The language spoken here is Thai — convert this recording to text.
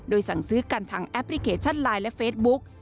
สั่งซื้อกันทางแอปพลิเคชันไลน์และเฟซบุ๊ก